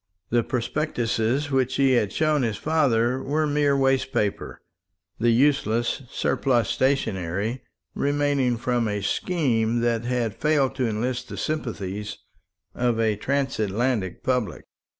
The prospectuses which he had shown his father were mere waste paper, the useless surplus stationery remaining from a scheme that had failed to enlist the sympathies of a Transatlantic public.